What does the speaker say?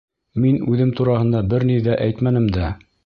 Мин үҙем тураһында бер ни ҙә әйтмәнем дә.